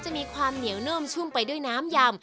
มีความเหนียวเนิ่มชุ่มไปด้วยน้ำยำ